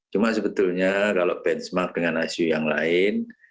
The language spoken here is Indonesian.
cuma sebetulnya kalau benchmark dengan icu yang lain